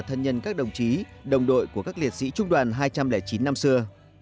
thân nhân các đồng chí đồng đội của các liệt sĩ trung đoàn hai trăm linh chín năm xưa